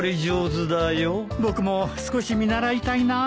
僕も少し見習いたいなあ。